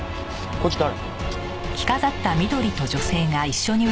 こっち誰？